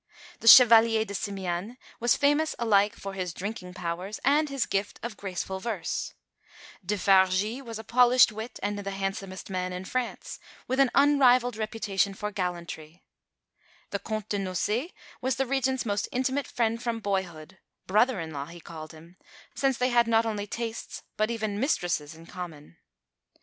The Chevalier de Simiane was famous alike for his drinking powers and his gift of graceful verse; De Fargy was a polished wit, and the handsomest man in France, with an unrivalled reputation for gallantry; the Comte de Nocé was the Regent's most intimate friend from boyhood brother in law he called him, since they had not only tastes but even mistresses in common.